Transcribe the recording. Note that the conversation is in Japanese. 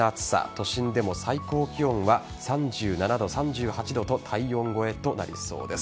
都心でも最高気温は３７度３８度と体温超えとなりそうです。